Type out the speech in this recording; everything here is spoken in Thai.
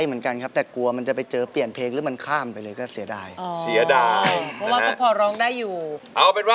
๕๐มา๓เพลงแล้ว